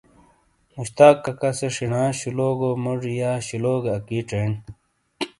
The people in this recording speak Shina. مشتاق ککا سے شینا شلوگو موجی یا شلوگے اکی چینڈ۔